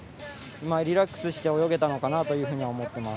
リラックスして泳げたのかなと思っています。